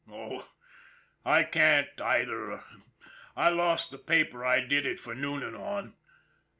Oh, I can't, either, I lost the paper I did it for Noonan on.